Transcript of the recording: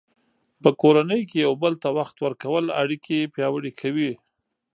په کورنۍ کې یو بل ته وخت ورکول اړیکې پیاوړې کوي.